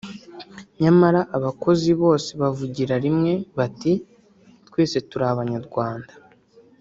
nyamara abakozi bose bavugira rimwe bati “twese turi Abanyarwanda